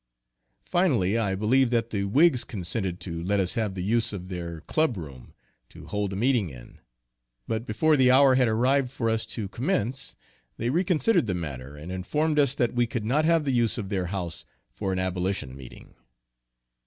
Finally, I believe that the whigs consented to let us have the use of their club room, to hold the meeting in; but before the hour had arrived for us to commence, they re considered the matter, and informed us that we could not have the use of their house for an abolition meeting.